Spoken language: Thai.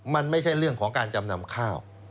มันไม่ใช่เรื่องของการจำนำข้าว